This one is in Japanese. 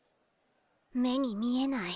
目に見えない